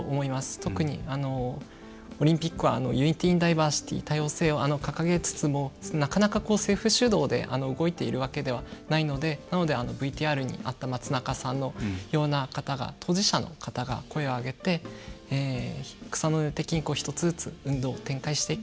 特に、オリンピックはユニティーインダイバーシティ多様性を掲げつつもなかなか、政府主導で動いているわけではないのでＶＴＲにあった松中さんのような当事者の方が声を上げて草の根的に一つずつ運動を展開していく。